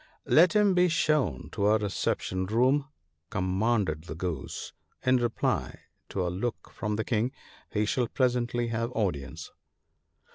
" Let him be shown to a reception room," commanded the Goose, in reply to a look from the King. " He shall presently have audience."